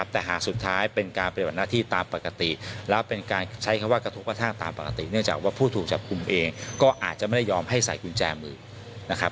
แต่หากสุดท้ายเป็นการปฏิบัติหน้าที่ตามปกติแล้วเป็นการใช้คำว่ากระทบกระทั่งตามปกติเนื่องจากว่าผู้ถูกจับกลุ่มเองก็อาจจะไม่ได้ยอมให้ใส่กุญแจมือนะครับ